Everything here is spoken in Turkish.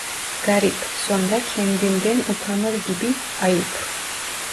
"Garip!" Sonra kendinden utanır gibi: "Ayıp…"